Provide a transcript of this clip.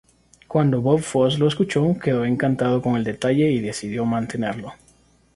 Cuando Bob Fosse lo escuchó quedó encantado con el detalle y decidió mantenerlo.